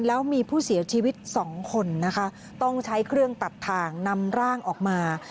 แล้วมีผู้เสียชีวิตสองคนนะคะต้องใช้เครื่องตัดทางนำร่างออกมา